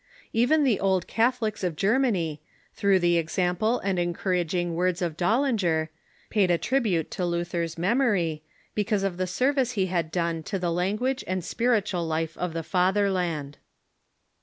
Even the Old Catholics of Germany, through the example and encouraging words of Dbllinger, paid a trib ute to Luther's memory, because of the service he had done to the language and spiritual life of the Fatherland.